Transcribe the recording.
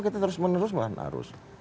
kenapa kita terus menerus melawan arus